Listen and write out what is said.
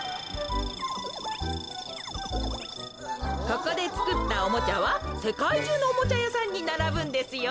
ここでつくったおもちゃはせかいじゅうのおもちゃやさんにならぶんですよ。